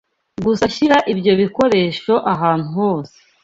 Gusa shyira ibyo bikoresho ahantu hose.